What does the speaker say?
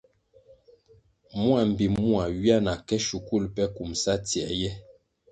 Mua mbpi mua ywia na ke shukul pe kumʼsa tsie ye.